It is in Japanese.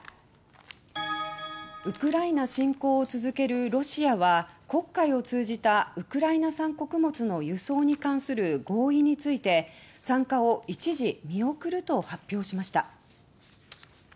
ウクライナ侵攻を続けるロシアは黒海を通じたウクライナ産穀物の輸送に関する合意について参加を一時見送ると発表しました。